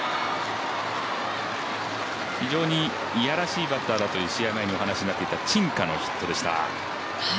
非常にいやらしいバッターだという試合前にお話になっていた陳佳のヒットでした。